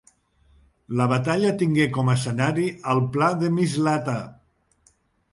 La batalla tingué com escenari el pla de Mislata.